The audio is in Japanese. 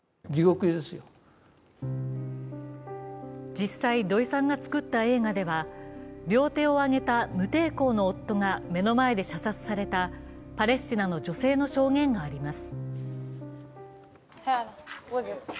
実際、土井さんが作った映画では両手を挙げた無抵抗の夫が目の前で射殺されたパレスチナの女性の証言があります。